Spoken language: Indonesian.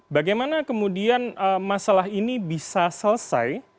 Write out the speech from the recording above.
bagaimana kemudian masalah ini bisa selesai